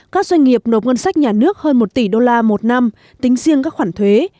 các doanh nghiệp nộp ngân sách nhà nước hơn một tỷ đô la một năm tính riêng các khoản thuế